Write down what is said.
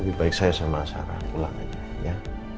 lebih baik saya sama sarah pulang aja ya